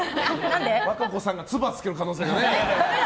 和歌子さんがつば付ける可能性が。